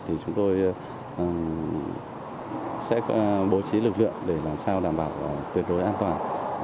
thì chúng tôi sẽ bố trí lực lượng để làm sao đảm bảo tuyệt đối an toàn